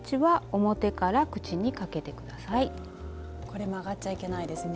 これ曲がっちゃいけないですね。